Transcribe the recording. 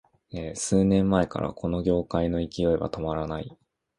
数年前からこの業界の勢いは止まらない